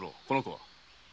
この子は？